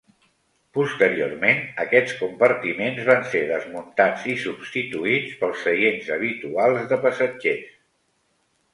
Posteriorment, aquests compartiments van ser desmuntats i substituïts pels seients habituals de passatgers.